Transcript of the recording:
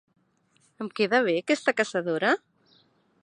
Em queda bé aquesta caçadora?